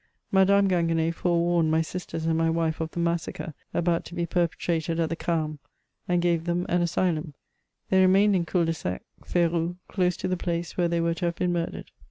Madame Gingu^n^ forewarned my sisters and my wife of the massacre about to be perpetrated at the Carmes, and gave them an asylum ; they remained in cul de sac Firou, close to the place where they were to have been murdered.